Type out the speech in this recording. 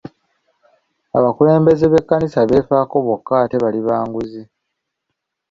Abakulembeze b'amakkanisa beefaako bokka ate bali ba nguzi.